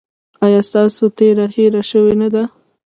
ایا ستاسو تیره هیره شوې نه ده؟